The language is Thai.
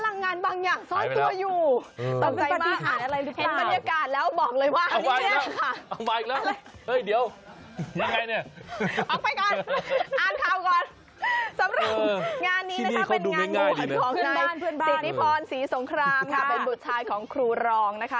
สำหรับงานนี้นะครับเป็นงานมุหณของในสิทธิพรศรีสงครามนะคะเป็นบริษัทของครูรองนะคะ